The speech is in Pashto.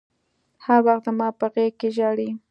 هر وخت زما په غېږ کښې ژاړي.